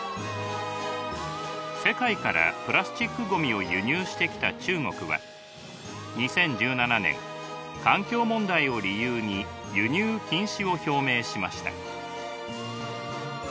世界からプラスチックごみを輸入してきた中国は２０１７年環境問題を理由に輸入禁止を表明しました。